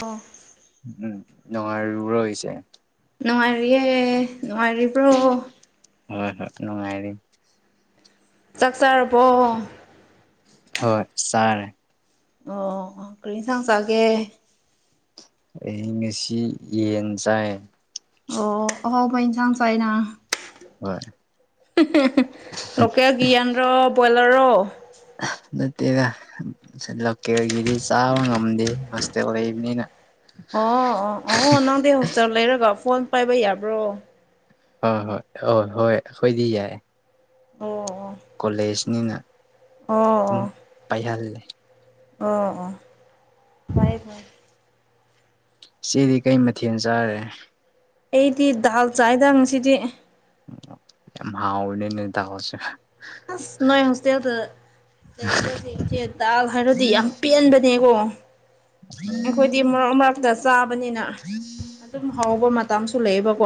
ꯑꯣ ꯎꯝ ꯅꯉꯥ ꯔꯨꯔꯁ ꯅꯨꯡꯉꯥꯏꯔꯤꯌꯦ ꯅꯨꯡꯉꯥꯏꯔꯤꯕ꯭ꯔꯣ ꯍꯣꯏ ꯍꯣꯏ ꯅꯨꯡꯉꯥꯏꯔꯤ ꯆꯥꯛ ꯆꯔꯕꯣ ꯍꯣꯏ ꯆꯥꯔꯦ ꯑꯣ ꯀꯔꯤ ꯁꯪꯁꯒꯦ ꯑꯩ ꯉꯁꯤ ꯌꯦꯟ ꯆꯥꯏ ꯑꯣ ꯍꯥꯎꯅ ꯊꯥꯡ ꯆꯥꯏꯅ ꯍꯣꯏ ꯂꯀꯦꯜ ꯭ꯌꯥꯟ ꯔ꯭ꯔ ꯕꯣꯏꯂꯔ ꯑꯣ ꯅꯠꯇꯦꯒ ꯂꯦ ꯑꯣꯏꯒꯗꯤ ꯆꯥ ꯉꯝꯗꯦ ꯍꯣꯁꯇꯦꯜ ꯂꯩꯕꯅꯤꯅ ꯑꯣ ꯑꯣ ꯑꯣ ꯅꯪꯗꯤ ꯍꯣꯁꯇꯦꯜ ꯂꯩꯔꯒ ꯐꯣꯟ ꯄꯥꯏꯕ ꯌꯥꯕ꯭ꯔꯣ ꯑ ꯍꯣꯏ ꯍ ꯍꯣꯏ ꯑꯩꯈꯣꯏꯗꯤ ꯌꯥꯏ ꯑꯣ ꯑꯣ ꯀꯣꯂꯦꯖꯅꯤꯅ ꯑꯣ ꯑꯗꯨꯝ ꯑꯣ ꯄꯥꯏꯍꯜꯂꯦ ꯑꯣ ꯑꯣ ꯐꯥꯏ ꯐ ꯁꯤꯗꯤ ꯀꯩ ꯃꯊꯦꯜ ꯆꯥꯔꯦ ꯑꯩꯗꯤ ꯗꯥꯜ ꯆꯥꯏꯗꯁꯤꯗꯤ ꯌꯥꯝ ꯍ ꯑꯣꯏꯅꯤ ꯅꯗꯁ ꯑꯁ ꯅꯣꯏ ꯍꯁꯇꯦ ꯑꯗꯨ ꯂꯩꯕꯁꯦ ꯏꯆꯦ ꯇꯥꯛ ꯍꯥꯏꯔꯗꯤ ꯌꯥꯝ ꯄꯦꯟꯕꯅꯦꯀꯣ ꯑꯩꯈꯣꯏꯗꯤ ꯃꯔꯛ ꯃꯔꯛꯇ ꯆꯥꯕꯅꯤꯅ ꯑꯗꯨꯝ ꯍꯥꯎꯕ ꯃꯇꯁꯨ ꯂꯩꯕꯀꯣ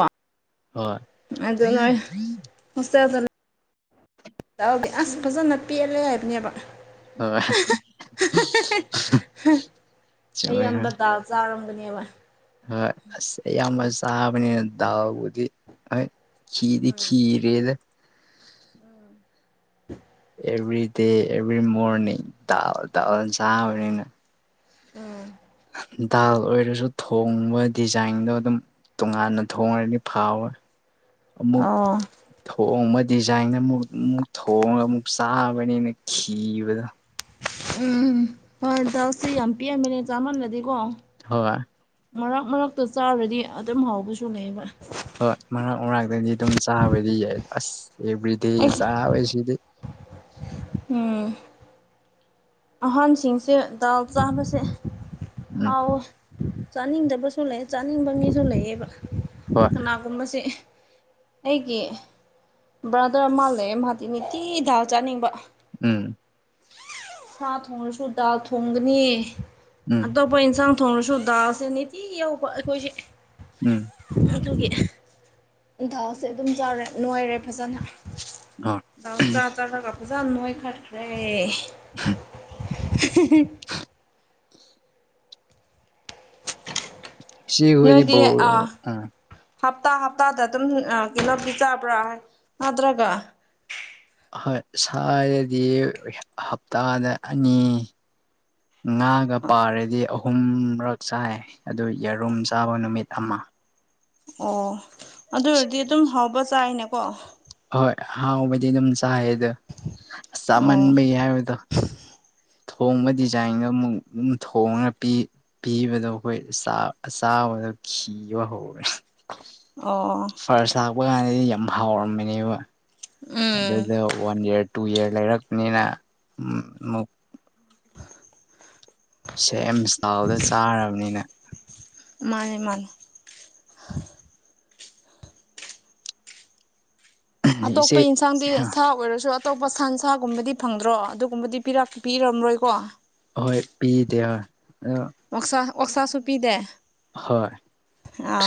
ꯍꯣꯏ ꯑꯗꯨꯗ ꯅ ꯍꯁ ꯗꯤ ꯑꯁ ꯐꯖꯅ ꯄꯦꯜꯂꯦ ꯍꯥꯏꯕꯅꯦꯕ ꯍꯣꯏ ꯆꯨꯝꯃꯦ ꯍꯣꯏ ꯑꯌꯥꯝꯝꯕꯗꯗꯥꯜ ꯆꯥꯔꯝ ꯟꯕ ꯍꯣꯏ ꯑꯁ ꯑꯌꯥꯝꯕ ꯆꯥꯕꯅꯤꯅ ꯗꯥꯎꯕꯨꯗꯤ ꯍꯣꯏ ꯈꯤꯗꯤ ꯈꯤꯔꯦꯗ ꯎꯝ ꯑꯦꯚ꯭ꯔꯤ ꯗꯦ ꯑꯦꯚ꯭ꯔꯤ ꯃꯣꯔꯅꯤꯡꯜ ꯆꯕꯅꯤꯅ ꯎꯝ ꯗꯥꯜ ꯑꯣꯏꯔꯁꯨ ꯊꯣꯡꯕ ꯗꯤꯖꯥꯏꯟꯗꯣ ꯑꯗꯨꯝ ꯇꯣꯉꯥꯟꯅ ꯊꯣꯡꯉꯔꯗꯤ ꯐꯥꯎꯋꯦ ꯑꯃꯨꯛ ꯑꯣ ꯊꯣꯛ ꯃ ꯗꯤꯖꯥꯏꯟꯗ ꯑꯃꯨꯛ ꯑꯃꯨꯛ ꯊꯣꯡꯉꯒ ꯑꯃꯨꯛ ꯆꯥꯕꯅꯤꯅ ꯤꯕꯗꯣ ꯎꯝ ꯍꯣꯏ ꯆꯁꯤ ꯌꯥꯝ ꯄꯤꯑꯃꯤꯅꯦ ꯆꯥꯃꯜꯂꯗꯤꯀꯣ ꯍ ꯃꯔꯛ ꯃꯔꯛꯇ ꯆꯥꯔꯗꯤ ꯑꯗꯨꯝ ꯍꯥꯎꯕꯁꯨ ꯂꯩꯕ ꯍꯣꯏ ꯃꯔꯛ ꯃꯔꯥꯡꯛꯇꯅꯤ ꯑꯗꯨꯝ ꯆꯥꯕꯗꯤ ꯌꯥꯏ ꯑꯁ ꯑꯦꯕ꯭ꯔꯤꯗꯦ ꯑꯩ ꯆꯥꯕꯣꯏ ꯁꯤꯗꯤ ꯎꯝ ꯑꯍꯟꯁꯤꯡꯁꯦ ꯗꯥꯎ ꯆꯥꯕꯁꯦ ꯎꯝ ꯍꯥꯎꯋꯦ ꯆꯥꯅꯤꯡꯗꯕꯁꯨ ꯂꯩ ꯆꯥꯅꯤꯡꯕ ꯃꯤꯁꯨ ꯂꯩꯌꯦꯕ ꯍꯣꯏ ꯀꯅꯥꯒꯨꯝꯕꯕꯁꯤꯦ ꯑꯩꯒꯤ ꯕ꯭ꯔꯥꯗꯔ ꯃꯥꯜꯂꯑꯦ ꯃꯍꯗꯤꯤ ꯅꯤꯇꯤ ꯗꯥꯜ ꯆꯥꯅꯤꯡꯕ ꯎꯝ ꯁꯥ ꯊꯣꯡꯉꯁꯨ ꯗꯥꯜ ꯊꯣꯡꯒꯅꯤ ꯎꯝ ꯑꯇꯣꯞꯄ ꯏꯟꯁꯥꯡ ꯊꯅ ꯁꯨꯗꯥꯁꯦꯅꯤꯇꯤ ꯑꯩꯈꯣꯏ ꯎꯝ ꯑꯗꯨꯦ ꯗꯥꯎꯁꯦ ꯑꯗꯨꯝ ꯆꯥꯔꯦ ꯅꯨꯡꯉꯥꯏꯔꯦ ꯐꯖꯅ ꯑ ꯖꯥꯅꯉꯣꯏ ꯈꯠꯈ꯭ꯔꯦ ꯁꯤ ꯍꯣꯏꯗꯤ ꯅꯣꯏꯗꯤ ꯑꯥ ꯑ ꯍꯞꯇꯥ ꯍꯞꯇꯥꯗ ꯑꯗꯨꯝ ꯀꯤꯩꯅꯣꯗꯤꯤ ꯆꯥꯕ꯭ꯔꯥ ꯅꯗ꯭ꯔꯒ ꯣꯏ ꯁ꯭ꯋꯥꯏꯗꯗꯤ ꯍꯞꯇꯥꯗ ꯑꯅꯤ ꯉꯥꯒ ꯄꯥꯔꯗꯤ ꯑꯍꯨꯝꯔꯛ ꯆꯥꯏ ꯑꯗꯨ ꯌꯦꯔꯨꯝ ꯆꯥꯕ ꯅꯨꯃꯤꯠ ꯑꯃ ꯑꯣ ꯑꯗꯨ ꯑꯣꯏꯔꯗꯤ ꯑꯗꯨꯝ ꯍꯥꯎꯕ ꯆꯥꯏꯅꯦꯀꯣ ꯍꯣꯏ ꯍꯥꯎꯕꯗꯤ ꯑꯗꯨꯝ ꯆꯥꯏꯗ ꯑ ꯑꯣ ꯆꯥꯃꯟꯕꯒꯤ ꯍꯥꯏꯕꯗꯣ ꯊꯣꯡꯕ ꯗꯤꯖꯥꯏꯟꯗꯣ ꯑꯃꯨꯛ ꯑꯗꯨ ꯊꯣꯡꯉꯒ ꯄꯤ ꯄꯤꯕꯗꯣ ꯑꯩꯈꯣꯏ ꯑꯆꯥꯕꯗꯣ ꯤꯕ ꯍꯧꯔꯦ ꯑꯣ ꯄꯄ ꯀꯥꯟꯗꯗꯤ ꯌꯥꯝ ꯍꯥꯎꯔꯝꯕꯅꯦꯕ ꯎꯝ ꯑꯗꯨꯗ ꯋꯥꯟ ꯏꯔ ꯇꯨ ꯏꯌꯥꯔ ꯂꯩꯔꯛꯄꯅꯤꯅ ꯑꯃꯨꯛ ꯁꯦꯝ ꯑꯁꯇꯥꯥꯎꯗ ꯆꯥꯔꯕꯅꯤꯅ ꯍ ꯏꯆꯦ ꯑꯇꯣꯞꯄ ꯌꯦꯟꯁꯥꯡꯗꯤ ꯑꯁꯥ ꯑꯣꯏꯔꯁꯨ ꯑꯇꯣꯞꯄ ꯁꯟ ꯁꯥꯒꯨꯝꯕꯗꯤ ꯐꯪꯗ꯭ꯔꯣ ꯑꯗꯨꯒꯨꯝꯕꯗꯤ ꯄꯤꯔꯝꯔꯣꯏꯀꯣ ꯑꯍꯣꯏ ꯄꯤꯗꯦ ꯑꯣꯏ ꯑꯣꯁꯥ ꯑꯣꯛꯁꯥꯁꯨ ꯄꯤꯗꯦ ꯍꯣꯏ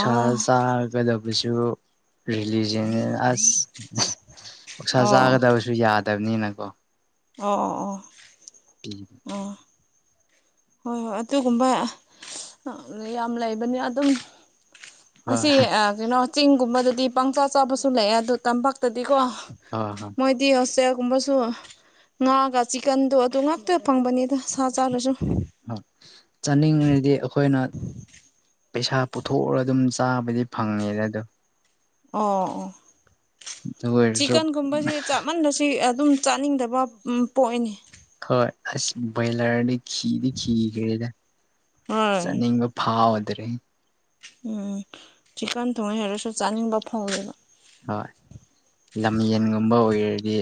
ꯁꯥꯥ ꯆꯥꯒꯗꯕꯁꯨ ꯔꯤꯂꯤꯖꯟ ꯑꯁ ꯄꯧꯁꯥ ꯑꯣ ꯆꯥꯒꯗꯕꯁꯨ ꯌꯥꯗꯕꯅꯤꯅꯀꯣ ꯑꯣ ꯑꯣ ꯎꯝ ꯑꯣ ꯍꯣꯏ ꯍꯣꯏ ꯑꯗꯨꯒꯨꯝꯕ ꯌꯥꯝ ꯂꯩꯕꯅꯤ ꯑꯗꯨꯝ ꯍꯣꯏ ꯑꯁꯤ ꯀꯩꯅꯣ ꯆꯤꯡꯒꯨꯝꯕꯗꯗꯤ ꯄꯪꯆꯥ ꯆꯥꯕꯁꯨ ꯂꯩꯑꯦ ꯑꯗꯣ ꯇꯝꯄꯥꯛꯇꯗꯤꯀꯣ ꯍꯣꯏ ꯍꯣꯏ ꯃꯣꯏꯗꯤꯁꯦ ꯒꯨꯝꯕꯁꯨ ꯉꯥꯛꯑꯒ ꯆꯤꯛꯀꯟꯗꯣ ꯑꯗꯨ ꯉꯥꯛꯇ ꯐꯪꯕꯅꯤꯗ ꯁꯥ ꯆꯥꯔꯁꯨ ꯆꯥꯅꯤꯡꯉꯗꯤ ꯑꯩꯈꯣꯏꯅ ꯄꯩꯁꯥ ꯄꯨꯊꯣꯛꯎꯔ ꯑꯗꯨꯝ ꯆꯥꯕꯗꯤ ꯐꯪꯉꯦꯅ ꯑꯗꯣ ꯑꯣ ꯑꯣ ꯑꯗꯨ ꯑꯣꯏꯔꯁꯨ ꯆꯤꯀꯟꯒꯨꯝꯕꯕꯁꯤꯦ ꯆꯞꯃꯟꯂꯁꯤ ꯑꯗꯨꯝ ꯆꯥꯅꯤꯡꯗꯕ ꯄꯣꯅꯤ ꯍꯣꯏ ꯑꯁ ꯕꯣꯏꯂꯔꯗꯤ ꯈꯤꯗꯤ ꯤꯈ꯭ꯔꯦꯗ ꯍꯣꯏ ꯆꯥꯅꯤꯡꯕ ꯐꯥꯎꯗ ꯑꯗꯨ ꯑꯗꯨꯔꯦ ꯎꯝ ꯊꯤꯀꯥꯟ ꯊꯣꯡꯉ ꯍꯥꯏꯔꯁꯨ ꯆꯥꯅꯤꯡꯕ ꯐꯥꯎꯗꯦꯕ ꯍꯣꯏ ꯂꯝꯌꯦꯟꯒꯨꯝꯕ ꯑꯣꯏꯔꯗꯤ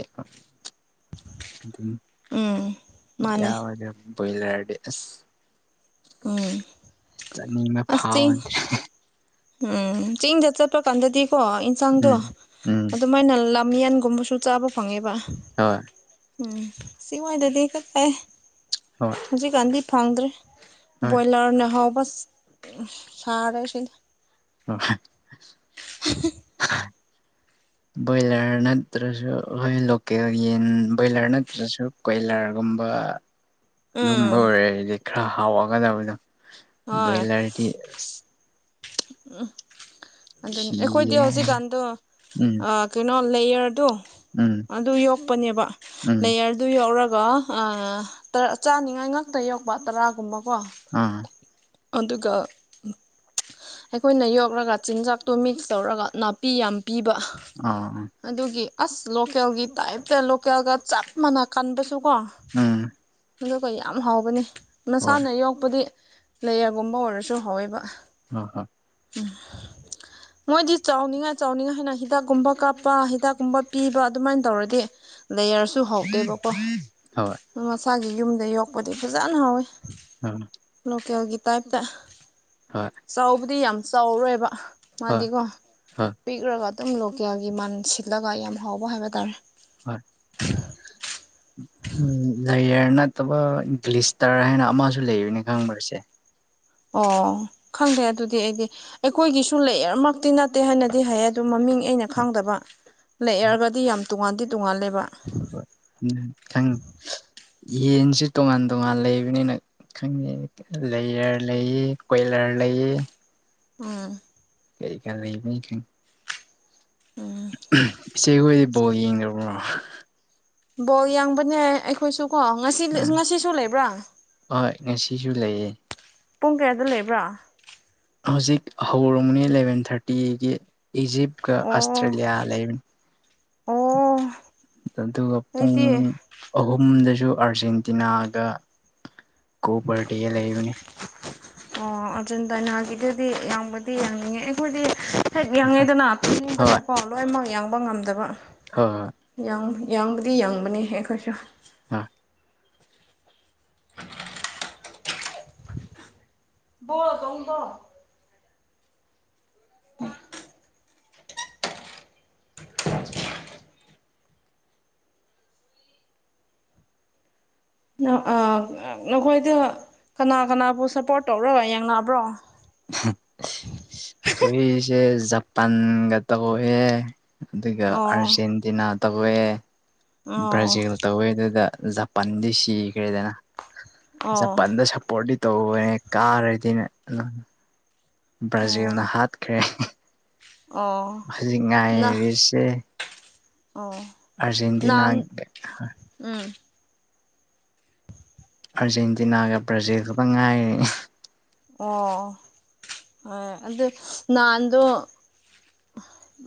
ꯎꯝ ꯌꯥ ꯃꯥꯅꯦ ꯄꯂ ꯎ ꯆꯅꯤ ꯑꯃ ꯐꯥꯎꯕꯗꯦ ꯎꯝ ꯆꯤꯡꯗ ꯆꯠꯄ ꯀꯥꯟꯗꯗꯤꯀꯣ ꯏꯟꯁꯥꯡꯗꯣ ꯎꯝ ꯎꯝ ꯑꯗꯨꯃꯥꯏꯅ ꯃꯤꯍꯥꯟꯒꯨꯝꯕꯨꯁꯨꯗ ꯑ ꯐꯉꯦꯕ ꯍꯣꯏ ꯎꯝ ꯁꯤ ꯃꯣꯏꯗꯗꯤ ꯀꯛ ꯀꯥꯏ ꯍꯣꯏ ꯍꯧꯖꯤꯛꯀꯥꯟꯗꯤ ꯐꯪꯗ꯭ꯔꯦ ꯍꯣꯏ ꯕ꯭ꯔꯣꯏꯂꯔ ꯅꯍꯥꯎꯕ ꯁꯥꯦ ꯁꯤ ꯑꯣ ꯕꯣꯏꯂꯔ ꯅꯠꯇ꯭ꯔꯁꯨ ꯑꯩꯈꯣꯏ ꯂꯣꯀꯦꯜ ꯌꯦꯟ ꯕꯣꯏꯂꯔ ꯅꯠꯇ꯭ꯔꯁꯨ ꯀꯣꯏꯂꯔꯒꯨꯝꯕ ꯎꯝ ꯑꯗꯨꯝꯕ ꯑꯣꯏꯔꯦꯗꯤ ꯈꯔ ꯍꯥꯎꯒꯗꯕꯗꯣ ꯕꯣꯏꯂꯔꯗꯤ ꯎꯝ ꯑꯗꯨꯅꯤ ꯑꯩꯈꯣꯏꯗꯤ ꯈꯤꯔꯦ ꯍꯧꯖꯤꯛꯀꯥꯟꯗꯣ ꯎꯝ ꯑ ꯀꯩꯅꯣ ꯎꯝ ꯎꯝ [inaudible] ꯆꯥꯅꯤꯡꯉꯥꯏ ꯉꯥꯛꯇ ꯌꯣꯛꯄ ꯇꯔꯥꯒꯨꯝꯕ ꯑꯥ ꯑꯗꯨꯒ ꯑꯩꯈꯣꯏꯅ ꯌꯣꯛꯂꯒ ꯆꯤꯟꯖꯥꯛꯇꯣ ꯃꯤꯛꯁ ꯇꯧꯔꯒ ꯅꯥꯄꯤ ꯌꯥꯝ ꯄꯤꯕ ꯑꯥ ꯑꯗꯨꯒꯤ ꯑꯁ ꯂꯣꯀꯦꯜꯒꯤ ꯇꯥꯏꯞꯇ ꯂꯣꯀꯦꯜꯒ ꯆꯞ ꯃꯥꯟꯅ ꯀꯟꯕꯁꯨꯀꯣ ꯎꯝ ꯑꯗꯨꯒ ꯌꯥꯝ ꯍꯥꯎꯕꯅꯤ ꯍꯣꯏ ꯃꯁꯥꯅ ꯌꯣꯛꯄꯗꯤ ꯂꯩꯔꯒꯨꯝꯕ ꯑꯣꯏꯔꯁꯨ ꯍꯥꯎꯋꯦꯕ ꯑ ꯍ ꯎ ꯃꯣꯏꯗꯤ ꯆꯥꯎꯅꯤꯡꯉꯥꯏ ꯆꯥꯎꯅꯤꯡꯉꯥꯏ ꯍꯥꯏꯅ ꯍꯤꯗꯥꯛꯀꯨꯝꯕ ꯀꯥꯞꯄ ꯍꯤꯗꯥꯛꯀꯨꯝꯕ ꯄꯤꯕ ꯑꯗꯨꯃꯥꯏꯅ ꯇꯧꯔꯗꯤ ꯂꯩꯌꯔꯁꯨ ꯍꯥꯎꯗꯦꯕꯀꯣ ꯍꯣꯏ ꯑꯗꯨ ꯃꯁꯥꯒꯤ ꯌꯨꯝꯗ ꯌꯣꯛꯄꯗꯤ ꯐꯖꯅ ꯍꯥꯎꯋꯤ ꯑ ꯍꯣꯇꯦꯜꯒꯤ ꯇꯥꯏꯞꯇ ꯆꯥꯎꯕꯨꯗꯤ ꯌꯥꯝ ꯆꯥꯎꯔꯣꯏꯕ ꯍꯣꯏ ꯃꯥꯗꯤꯀꯣ ꯍꯣꯏ ꯄꯤꯛꯔꯒ ꯑꯗꯨꯝ ꯂꯣꯀꯦꯜꯒꯤ ꯃꯟ ꯁꯤꯠꯂꯒ ꯌꯥꯝ ꯍꯥꯎꯕ ꯍꯥꯏꯕ ꯇꯥꯔꯦ ꯍꯣꯏ ꯎꯝ ꯂꯥꯏꯌꯔ ꯅꯠꯇꯕ ꯒ꯭ꯂꯤꯁꯇꯔ ꯍꯥꯏꯅ ꯑꯃꯁꯨ ꯂꯩꯕꯅꯤ ꯈꯪꯕꯁꯦ ꯑꯣ ꯈꯪꯗꯦ ꯑꯗꯨꯗꯤ ꯑꯩꯗꯤ ꯑꯩꯈꯣꯏꯒꯤꯁꯨ ꯂꯩꯃꯛꯇꯤ ꯅꯠꯇꯦ ꯍꯥꯏꯅꯗꯤ ꯍꯥꯏꯌꯦ ꯑꯗꯨ ꯃꯃꯤꯡ ꯑꯩꯅ ꯈꯪꯗꯕ ꯂꯩꯑꯔꯒꯗꯤ ꯌꯥꯝ ꯇꯣꯉꯥꯟꯗꯤ ꯇꯣꯉꯥꯜꯂꯦꯕ ꯍ ꯊꯦꯡꯨ ꯌꯦꯟꯁꯦ ꯇꯣꯉꯥꯟ ꯇꯣꯉꯥꯟ ꯂꯩꯕꯅꯤꯅ ꯈꯪꯉꯦ ꯂꯩꯔꯔ ꯂꯩꯌꯦ ꯀꯣꯏꯂꯔ ꯄ꯭ꯂꯌꯦ ꯎꯝ ꯀꯩ ꯀꯕ ꯎꯝ ꯏꯆꯦꯈꯣꯏꯗꯤ ꯕꯣꯜ ꯌꯦꯡꯗꯕ꯭ꯔꯣ ꯕꯣꯜ ꯌꯦꯡꯕꯅꯦ ꯑꯩꯈꯣꯏꯁꯨ ꯀꯣ ꯉꯁꯤ ꯎꯝ ꯉꯁꯤꯁꯨ ꯂꯩꯕ꯭ꯔꯥ ꯍꯣꯏ ꯉꯁꯤꯁꯨ ꯂꯩꯌꯦ ꯄꯨꯡ ꯀꯌꯥꯗ ꯂꯩꯕ꯭ꯔꯥ ꯍꯧꯖꯤꯛ ꯍꯧꯔꯝꯅꯤ ꯏꯂꯚꯦꯟ ꯊꯥꯔꯇꯤꯒꯤ ꯏꯖꯤꯞꯇ ꯑꯣ ꯑꯁꯇ꯭ꯔꯂꯤꯌꯥ ꯂꯩ ꯑꯣ ꯑꯗꯨꯗꯨ ꯑꯄꯨꯡ ꯑꯩꯗꯤ ꯑꯍꯨꯝꯗ ꯁꯨ ꯑꯥꯔꯖꯦꯟꯇꯤꯅꯥꯒ ꯀꯣ ꯕꯔꯗꯦ ꯂꯩꯕꯅꯤ ꯑꯣ ꯑꯔꯖꯦꯟꯇꯥꯅꯥꯒꯤꯗꯗꯤ ꯌꯥꯝꯌꯥꯝꯕꯗꯤ ꯌꯥꯡꯅꯤꯡꯉꯦ ꯑꯩꯈꯣꯏꯗꯤ ꯍꯦꯛ ꯌꯥꯡꯉꯤꯗꯅ ꯍꯣꯏ ꯇꯪꯅꯤꯡꯕꯗꯀꯣ ꯂꯣꯏꯅꯃꯛ ꯌꯥꯡꯕ ꯉꯝꯗꯕ ꯍꯣꯏ ꯌꯥꯡ ꯌꯥꯡꯕꯗꯤ ꯌꯥꯡꯕꯅꯤ ꯑꯩꯈꯣꯏꯁꯨ ꯑꯥ ꯣꯣ ꯇꯣꯗ ꯑꯣ ꯅꯈꯣꯏꯗ ꯀꯅꯥ ꯀꯅꯥꯕꯨ ꯁꯞꯄꯣꯔꯠ ꯇꯧꯔꯒ ꯌꯦꯡꯅꯕ꯭ꯔꯣ ꯍꯣꯏꯁꯦ ꯖꯄꯥꯟꯒ ꯇ ꯀꯦ ꯑꯗꯨꯒ ꯑꯣ ꯑꯥꯔꯖꯦꯟꯇꯤꯅꯥ ꯇꯧꯋꯦ ꯑꯣ ꯕ꯭ꯔꯥꯖꯤꯜ ꯇꯧꯋꯦ ꯑꯗꯨꯗ ꯖꯄꯥꯟꯗꯤ ꯁꯤꯈ꯭ꯔꯦꯗꯅ ꯑꯣ ꯖꯄꯥꯟꯗ ꯁꯄꯣꯔꯠꯗꯤ ꯇꯧꯕꯅꯦ ꯀꯥꯔꯗꯤꯅꯦ ꯑꯣ ꯕ꯭ꯔꯥꯖꯤꯜꯅ ꯍꯥꯠꯈ꯭ꯔꯦ ꯑꯣ ꯍꯧꯖꯤ ꯅ ꯉꯥꯏꯔꯤꯁꯦ ꯑꯣ ꯑꯔꯖꯦꯟꯇꯤꯅꯥ ꯅꯍꯥꯟ ꯎꯝ ꯑꯥꯔꯖꯦꯟꯇꯤꯅꯥꯒ ꯕ꯭ꯔꯥꯖꯤꯜꯒꯒ ꯉꯥꯏꯔ ꯑꯣ ꯍꯣꯏ ꯑꯗꯨ ꯅꯍꯥꯟꯗꯣ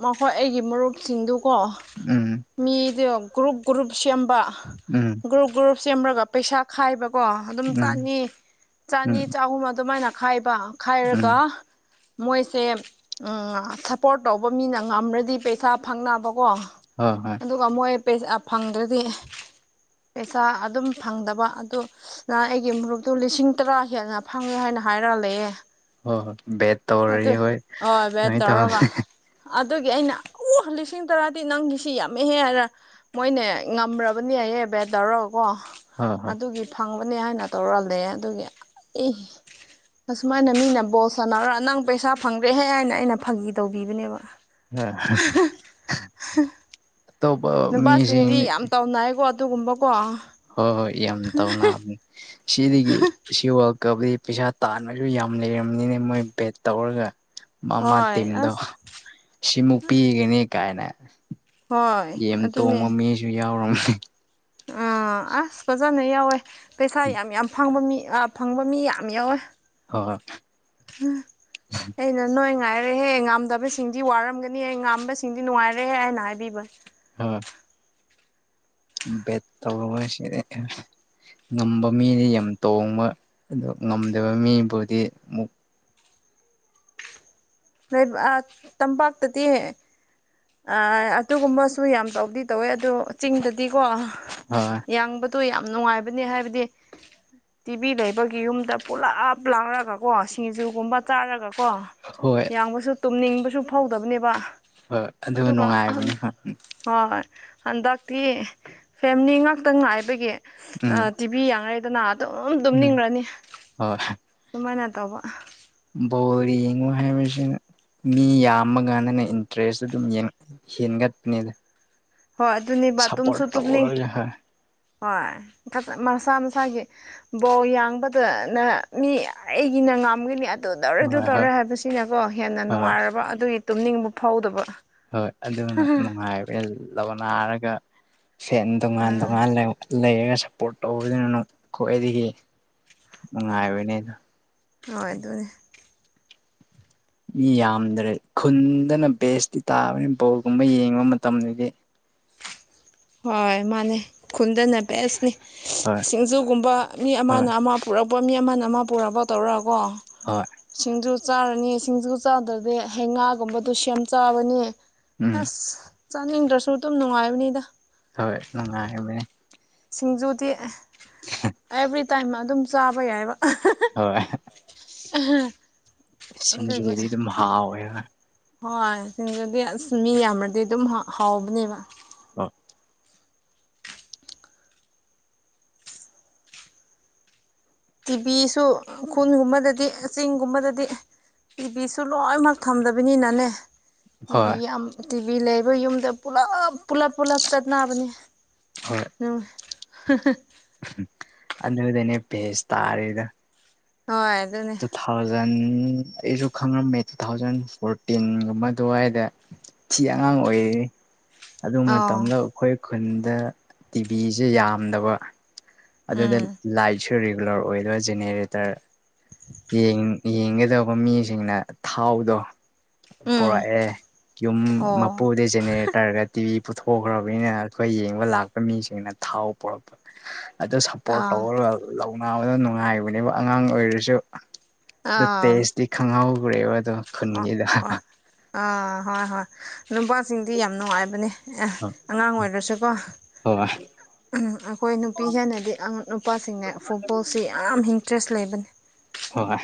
ꯃꯈꯣꯏ ꯑꯩꯒꯤ ꯃꯔꯨꯞꯁꯤꯡꯗꯨꯀꯣ ꯎꯝ ꯃꯤꯗꯨ ꯒ꯭ꯔꯨꯞ ꯒ꯭ꯔꯨꯞ ꯁꯦꯝꯕ ꯎꯝ ꯒ꯭ꯔꯨꯞ ꯒ꯭ꯔꯨꯞ ꯁꯦꯝꯃꯒ ꯄꯩꯁꯥ ꯈꯥꯏꯕ ꯀꯣ ꯑꯗꯨꯝ ꯎꯝ ꯆꯅꯤ ꯆꯅꯤ ꯎꯝ ꯆꯍꯨꯝ ꯑꯗꯨꯃꯥꯏꯅ ꯈꯥꯏꯕ ꯎꯝ ꯈꯥꯏꯔꯒ ꯃꯣꯏꯁꯦ ꯄꯣꯔꯠ ꯇꯧꯕ ꯃꯤꯅ ꯉꯝ꯭ꯔꯗꯤ ꯄꯩꯁꯥ ꯐꯪꯅꯕꯀꯣ ꯍꯣꯏ ꯍꯣꯏ ꯑꯗꯨꯒ ꯃꯣꯏ ꯄꯩꯁꯥ ꯐꯪꯗ꯭ꯔꯗꯤ ꯄꯩꯁꯥ ꯑꯗꯨꯝ ꯐꯪꯗꯕ ꯑꯗꯨꯅ ꯑꯩꯒꯤ ꯃꯔꯨꯞꯇꯨ ꯂꯤꯁꯤꯡ ꯇꯔꯥ ꯍꯦꯟꯅ ꯐꯪꯉꯦ ꯍꯥꯏꯅ ꯍꯥꯏꯔꯂꯦ ꯍꯣꯏ ꯍꯣꯏ ꯕꯦꯠ ꯇꯧꯔꯗꯤ ꯑꯗꯨ ꯍꯣꯏ ꯦ ꯑꯗꯨꯃꯥꯏꯅ ꯇꯧ ꯍꯣꯏ ꯇꯧꯔꯒ ꯑꯗꯨꯒꯤ ꯑꯩꯅ ꯑꯣ ꯂꯤꯁꯤꯡ ꯇꯔꯥꯗꯤ ꯅꯪꯒꯤꯁꯤ ꯌꯥꯝꯃꯛꯍꯦ ꯍꯥꯏꯔ ꯃꯣꯏꯅꯦ ꯉꯝꯕꯅꯤ ꯍꯥꯏ ꯦꯕ ꯇꯧꯔꯒ ꯀꯣ ꯑꯗꯨꯒꯤ ꯐꯪꯕ ꯍꯥꯏꯅ ꯇꯧꯔ ꯑꯗꯨꯒꯤ ꯑꯦ ꯑꯁꯨꯃꯥꯏꯅ ꯃꯤꯅ ꯕꯣ ꯁꯥꯟꯅꯔ ꯅꯪ ꯄꯩꯁꯥ ꯐꯪꯗ꯭ꯔꯦꯍꯦ ꯍꯥꯏꯅ ꯑꯩꯅ ꯐꯥꯒꯤ ꯇꯧꯕꯤꯕꯅꯦꯕ ꯍꯣꯏ [unintelligible] ꯑꯇꯣꯞꯄ ꯃꯤꯁꯤꯡ ꯅꯨꯄꯥꯁꯤꯡꯗꯤ ꯌꯥꯝ ꯇꯥꯎꯅꯏꯀꯣ ꯑꯗꯨꯒꯨꯝꯕꯀꯣ ꯍꯣꯏ ꯍꯣꯏ ꯌꯥꯝ ꯇꯧꯅꯅꯤ ꯁꯤꯗꯒꯤ ꯁꯤ ꯀꯕꯗꯤ ꯄꯩꯁꯥ ꯇꯥꯟꯕꯁꯨ ꯌꯥꯝ ꯂꯩꯔꯕꯅꯤꯅ ꯃꯣꯏ ꯕꯦꯠ ꯇꯧꯔꯒ ꯃꯃꯥ ꯍꯣꯏ ꯇꯤꯝꯗꯣ ꯑꯁ ꯁꯤꯃꯨꯛ ꯑꯁ ꯄꯤꯒꯅꯤ ꯀꯥꯏꯅ ꯍꯣꯏ ꯌꯦꯦꯝ ꯑꯗꯨꯅꯦ ꯇꯣꯡꯕ ꯃꯤꯁꯨ ꯌꯥꯎꯔꯕꯝꯅꯦ ꯑꯥ ꯑꯁꯄ ꯖꯅ ꯌꯥꯎꯋꯦ ꯄꯩꯁꯥ ꯌꯥꯝ-ꯌꯥꯝ ꯐꯪꯕ ꯃꯤ ꯐꯪꯕ ꯃꯤ ꯌꯥꯝ ꯌꯥꯎꯋꯦ꯫ ꯍꯣꯏ ꯑꯩꯅ ꯅꯣꯏ ꯉꯥꯏꯔꯦꯍꯦ ꯉꯥꯝꯗꯕ ꯁꯤꯡꯗꯤ ꯋꯥꯔꯝꯒꯅꯤꯍꯦ ꯉꯥꯝꯕ ꯁꯤꯡꯗꯤ ꯅꯨꯡꯉꯥꯏꯔꯦꯍꯦ ꯍꯥꯏꯅ ꯍꯥꯏꯕꯤꯕ꯫ ꯍꯥꯥ ꯕꯦꯠ ꯇꯧꯔꯔꫭꯏ ꯁꯦ꯫ ꯉꯝꯕ ꯃꯤꯗꯤ ꯌꯥꯝ ꯇꯣꯡꯕ ꯑꯗꯨ ꯉꯝꯗꯕ ꯃꯤꯕꯨꯗꯤ ꯑꯃꯨꯛ ꯅꯣꯏ ꯑꯥ ꯇꯝꯄꯥꯛꯇꯗꯤ ꯑꯥ ꯑꯗꯨꯒꯨꯝꯕꯁꯨ ꯌꯥꯝ ꯇꯧꯗꯤ ꯇꯧꯋꯦ ꯑꯗꯨ ꯆꯤꯡꯗꯗꯤꯀꯣ ꯍꯣꯏ ꯌꯥꯡꯕ ꯇꯨ ꯌꯥꯝ ꯅꯨꯡꯉꯥꯏꯕꯅꯦ ꯍꯥꯏꯕꯗꯤ ꯇꯤꯚꯤ ꯂꯩꯕꯒꯤ ꯌꯨꯝꯗ ꯄꯨꯂꯥꯞ ꯂꯥꯡꯔꯒ ꯀꯣ ꯁꯤꯡꯖꯨꯒꯨꯝꯕ ꯆꯥꯔꯒ ꯀꯣ ꯍꯣꯏ ꯌꯥꯡꯕꯁꯨ ꯇꯨꯝꯅꯤꯡꯕꯁꯨ ꯐꯧꯗꯕꯅꯦꯕ꯫ ꯍꯣꯏ ꯑꯗꯨ ꯑꯗꯨꯒ ꯍꯝ ꯅꯨꯡꯉꯥꯏꯕꯅꯤ ꯍꯣꯏ ꯍꫭꯏ-ꯍꫭꯏ꯫ ꯍꯟꯗꯛꯇꯤ ꯐꯦꯃꯤꯂꯤ ꯉꯥꯛꯇ ꯉꯥꯏꯕꯒꯤ ꯑ ꯎꯝ ꯇꯤꯚꯤ ꯌꯥꯡꯔꯩꯗꯅ꯫ ꯑꯗꯨꯝ ꯎꯝ ꯇꯨꯝꯅꯤꯡꯔꯅꯤ ꯑꯗꯨꯃꯥꯏꯅ ꯇꯧꯕ꯫ ꯕꫭꯜ ꯌꯦꯡꯕ ꯍꯥꯏꯕꯁꯤꯅ ꯃꯤ ꯌꯥꯝꯃ ꯀꯥꯟꯗꯅ ꯏꯟꯇꯔꯦꯁ ꯑꯗꯨꯝ ꯍꯦꯟꯒꯠꯄꯅꯤꯗ꯫ ꯍꯣꯏ ꯑꯗꯨꯅꯤꯕ ꯇꯨꯝꯁꯨ ꯁꯞꯄꯣꯔꯠ ꯇꯨꯝꯅꯤꯡ ꯇꯧꯔꯒ ꯍꯣꯏ ꯍꯣꯏ ꯃꯁꯥ ꯃꯁꯥꯒꯤ ꯕꯣꯜ ꯌꯥꯡꯕꯗꯅ ꯃꯤ ꯑꯩꯒꯤ ꯅ ꯉꯝꯒꯅꯤ ꯑ ꯗꯨꯅ ꯑꯗꯨ ꯍꯣꯏ ꯍꯣꯏ ꯇꯧꯔꯦ ꯍꯥꯏꯕꯁꯤꯅꯀꯣ ꯍꯦꯟꯅ ꯍꯣꯏ ꯅꯨꯡꯉꯥꯏꯔꯕ ꯑꯗꯨꯒꯤ ꯇꯨꯝꯅꯤꯡꯕ ꯐꯥꯎꯗꯕ꯫ ꯍꯣꯏ ꯑꯗꯨ ꯅꯨꯡꯉꯥꯏꯕ ꯂꯧꯅꯥꯔꯒ ꯁꯦꯟ ꯗꯨꯉꯥꯟ ꯑꯥ ꯑꯗꯨꯉꯥꯟ ꯂꯩ ꯂꯩꯔꯒ ꯁꯞꯄꯣꯔꯠ ꯇꯧꯕꯗꯨꯅ ꯅꯨꯡ ꯈ꯭ꯋꯥꯏꯗꯒꯤ ꯅꯨꯡꯉꯥꯏꯕꯅꯤ ꯑꯗꫭ꯫ ꯍꯣꯏ ꯑꯗꯨꯅꯦ꯫ ꯃꯤ ꯌꯥꯝꯗ꯭ꯔꯦ ꯈꯨꯟꯗꯅ ꯕꯦꯁꯇꯤ ꯇꯥꯕꯅꯤ ꯕꯣꯜꯒꯨꯝꯕ ꯌꯦꯡꯕ ꯃꯇꯝꯗꯗꯤ꯫ ꯍꯣꯏ ꯃꯥꯅꯦ꯫ ꯈꯨꯟꯗꯅ ꯕꯦꯁꯅꯤ ꯍꯣꯏ ꯁꯤꯡꯖꯨꯒꯨꯝꯕ ꯃꯤ ꯍꯣꯏ ꯑꯃꯅ ꯑꯃ ꯄꯨꯔꯛ ꯄ ꯃꯤ ꯑꯃꯅ ꯑꯃ ꯄꯨꯔꯛꯔꯕ ꯇꯧꯔꯀꯣ ꯍꯣꯏ ꯁꯤꯡꯖꯨ ꯆꯥꯔꯅꯤ ꯁꯤꯡꯖꯨ ꯆꯥꯗ꯭ꯔꯗꯤ ꯍꯩ ꯉꯥꯒꯨꯝꯕꯗꯣ ꯁꯦꯝ ꯆꯥꯕꯅꯤ ꯎꯝ ꯑꯁ꯫ ꯆꯥꯅꯤꯡꯗ꯭ꯔꯁꯨ ꯑꯗꯨꯝ ꯅꯨꯡꯉꯥꯏꯕꯅꯤꯗ꯫ ꯍꯣꯏ ꯅꯨꯡꯉꯥꯏꯕꯅꯦ꯫ ꯁꯤꯡꯖꯨꯗꯤ ꯑ ꯑꯦꯕ꯭ꯔꯤꯇꯥꯏꯝ ꯑꯗꯨꯝ ꯆꯥꯕ ꯌꯥꯏꯕ꯫ ꯍꯣꯏ꯫ ꯑꯍ ꯁꯤꯡꯖꯨꯕꯨꯗꯤ ꯑꯗꯨꯝ ꯍꯥꯎꯋꯦꯕ꯫ ꯍꯣꯏ ꯁꯤꯡꯖꯨꯗꯤ ꯑꯁ ꯃꯤ ꯌꯥꯝꯔꯗꯤ ꯑꯗꯨꯝ ꯍꯥꯎꯕꯅꯦꯕ꯫ ꯑꯥ꯫ ꯇꯤꯚꯤꯁꯨ ꯈꯨꯟꯒꯨꯝꯕꯗꯗꯤ ꯆꯤꯡꯒꯨꯝꯕꯗꯗꯤ ꯇꯤꯕꯤꯁꯨ ꯂꯣꯏꯅꯃꯛ ꯊꯝꯗꯕꯅꯤꯅꯅꯦ ꯇꯤꯚꯤ ꯍꯣꯏ ꯌꯥꯝ ꯇꯤꯚꯤ ꯂꯩꯕ ꯌꯨꯝꯗ ꯄꯨꯂꯞ ꯄꯨꯂꯞ ꯄꯨꯂꯞ ꯆꯠꯅꯕꯅꯦ꯫ [unintelligible] ꯑꯗꯨꯎꯅꯤ ꯄꯦꯁ ꯇꯥꯔꯤꯗꫭ꯫ ꯍꯣꯏ ꯑꯗꯨꯅꯦ꯫ ꯖꯟ ꯑꯩꯁꯨ ꯈꯪꯉꯝꯃꯦ ꯇꯨ ꯊꯥꯎꯖꯟ ꯐꯣꯔꯇꯤꯟꯒꯨꯝꯕ ꯑꯗꯨꯋꯥꯏꯗ ꯐꯤ ꯑꯉꯥꯡ ꯑꯣꯏꯔꯤ꯫ ꯑꯗꯨ ꯑꯣ ꯃꯇꯝꯗ ꯑꯩꯈꯣꯏ ꯈꯨꯟꯗ ꯇꯤꯚꯤꯁꯦ ꯌꯥꯝꯗꯕ꯫ ꯑꯗꯨꯗ ꯎꯝ ꯂꯥꯏꯠꯁꯨ ꯔꯤꯒꯨꯂꯔ ꯑꯣꯏꯗꯣꯏ ꯖꯦꯅꯦꯔꯦꯇꯔ ꯌꯦꯡ ꯌꯦꯡꯒꯗꯕ ꯃꯤꯁꯤꯡꯅ ꯊꯥꯎꯗꯣ ꯎꯝ ꯄꯨꯔꯛꯑꯦ ꯌꯨꯝ ꯑꯣ ꯃꯄꯨꯗ ꯖꯦꯅꯦꯔꯦꯇꯔꯒ ꯇꯤꯚꯤ ꯄꯨꯊꯣꯛꯈ꯭ꯔꯕꯅꯤꯅ ꯑꯩꯈꯣꯏ ꯌꯦꯡꯕ ꯂꯥꯛꯄ ꯃꯤꯁꯤꯡꯅ ꯊꯥꯎ ꯄꯨꯔꯛꯄ ꯑꯗꯨ ꯁꯞꯄꯣꯔꯠ ꯑꯥ ꯇꯧꯔꯒ ꯂꯧꯅꯕꯗ ꯅꯨꯡꯉꯥꯏꯕꯅꯦꯕ ꯑꯉꯥꯡ ꯑꯣꯏꯔꯁꯨ ꯑ ꯑꯥ ꯇꯦꯁꯇꯤ ꯈꯪꯍꯧꯈ꯭ꯔꯦꯕ ꯑꯗꯣ ꯑꯣ ꯈꯨꯟꯒꯤꯗ ꯑꯣ ꯑꯥ ꯍꯣꯏ ꯍꯣꯏ ꯅꯨꯄꯥꯁꯤꯡꯗꯤ ꯌꯥꯝ ꯅꯨꯡꯉꯥꯏꯕꯅꯦ ꯑꯦ ꯑꯉꯥꯡ ꯑꯣꯏꯔꯁꯨꯀꯣ [unintelligible] ꯑꯩꯈꯣꯏ ꯅꯨꯄꯤ ꯍꯦꯟꯅꯗꯤ ꯅꯨꯄꯥꯁꯤꯡꯅ ꯐꯨꯠꯕꯣꯜꯁꯤ ꯌꯥꯝ ꯏꯟꯇꯔꯦꯁ ꯂꯩꯕꯅꯤ ꯍꯣꯏ